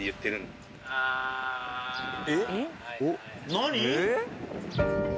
何？